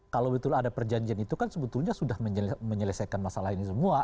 kalau betul ada perjanjian itu kan sebetulnya sudah menyelesaikan masalah ini semua